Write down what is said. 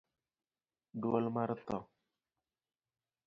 duol mar tho